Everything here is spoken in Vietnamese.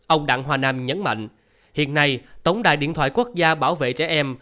ông đặng hòa nam nhấn mạnh hiện nay tổng đài điện thoại quốc gia bảo vệ trẻ em